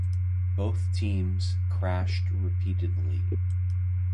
Both teams crashed repeatedly.